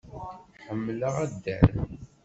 Ḥemmleɣ addal.